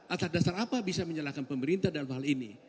atas dasar apa bisa menyalahkan pemerintah dalam hal ini